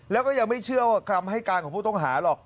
แล้วก็ยังไม่เชื่อว่าคำให้การของผู้ต้องหาหรอก